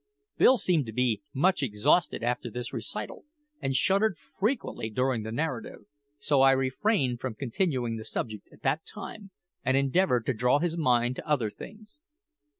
Bill seemed to be much exhausted after this recital, and shuddered frequently during the narrative; so I refrained from continuing the subject at that time, and endeavoured to draw his mind to other things.